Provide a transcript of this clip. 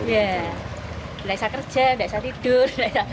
ya tidak bisa kerja tidak bisa tidur